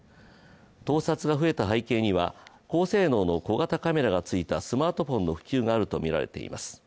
盗撮が増えた背景には高性能の小型カメラがついたスマートフォンの普及があるとみられています。